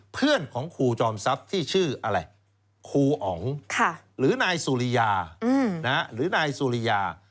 เพื่อนของครูจอมทรัพย์ที่ชื่ออะไรครูอ๋องหรือนายสุริยาหรือนายสุริยา